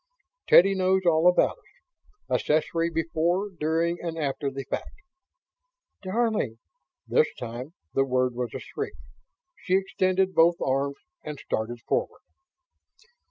"Teddy knows all about us accessory before, during and after the fact." "Darling!" This time, the word was a shriek. She extended both arms and started forward.